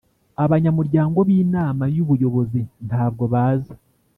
Abanyamuryango b’inama y ‘ubuyobozi ntabwo baza.